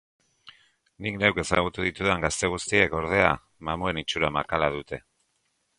Nik neuk ezagutu ditudan gazte guztiek, ordea, mamuen itxura makala dute.